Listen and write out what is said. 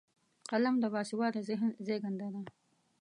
قلم د باسواده ذهن زیږنده ده